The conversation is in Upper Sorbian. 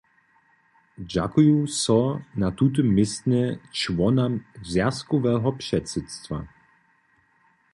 Dźakuju so na tutym městnje čłonam zwjazkoweho předsydstwa.